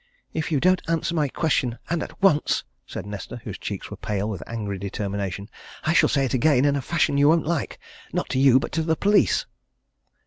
"If you don't answer my question and at once," said Nesta, whose cheeks were pale with angry determination, "I shall say it again in a fashion you won't like not to you, but to the police!"